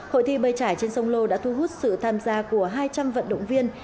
hội thi bơi trải trên sông lô đã thu hút sự tham gia của hai trăm linh vận động viên